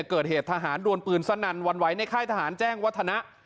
เกิดเหตุทหารดวนปืนสนั่นวันไหวในค่ายทหารแจ้งวัฒนะ